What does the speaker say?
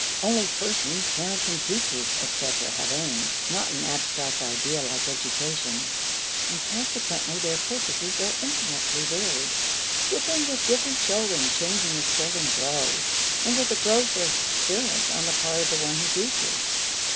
Only persons, parents, and teachers, etc., have aims, not an abstract idea like education. And consequently their purposes are indefinitely varied, differing with different children, changing as children grow and with the growth of experience on the part of the one who teaches.